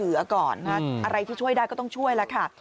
เบื้องต้นให้การช่วยเหลือก่อนอะไรที่ช่วยได้ก็ต้องช่วยแล้วค่ะ